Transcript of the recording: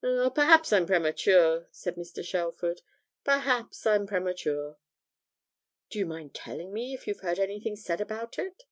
'Oh, perhaps I'm premature,' said Mr. Shelford; 'perhaps I'm premature.' 'Do you mind telling me if you've heard anything said about it?'